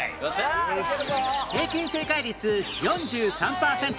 平均正解率４３パーセント